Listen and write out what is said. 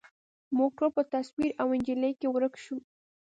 موږ ټول په تصویر او انجلۍ کي ورک شوو